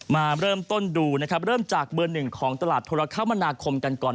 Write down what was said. มาเริ่มต้นดูนะครับเริ่มจากเบอร์หนึ่งของตลาดโทรคมนาคมกันก่อน